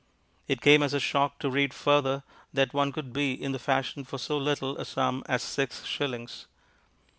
It came as a shock to read further that one could be in the fashion for so little a sum as six shillings.